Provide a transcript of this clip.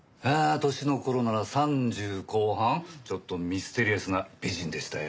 年の頃なら三十後半ちょっとミステリアスな美人でしたよ。